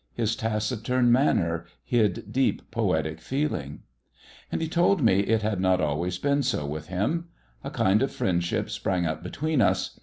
His taciturn manner hid deep poetic feeling. And he told me it had not always been so with him. A kind of friendship sprang up between us.